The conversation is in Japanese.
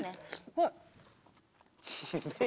はい。